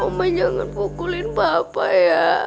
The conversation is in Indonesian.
oma jangan pukulin papa ya